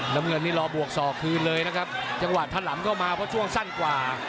น้ำเงินนี่รอบวกศอกคืนเลยนะครับจังหวะถลำเข้ามาเพราะช่วงสั้นกว่า